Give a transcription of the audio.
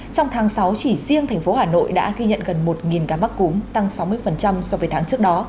trong tháng sáu chỉ riêng thành phố hà nội đã ghi nhận gần một cá mắc cúng tăng sáu mươi so với tháng trước đó